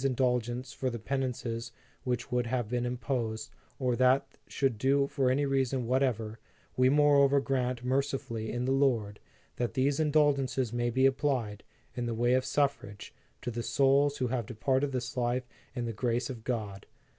indulgence for the penances which would have been imposed or that they should do for any reason whatever; we moreover grant mercifully in the Lord, that these indulgences may be applied, in the way of suffrage, to the souls who have departed this life in the grace of God.